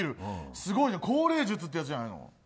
すごいね降霊術ってやつじゃないの？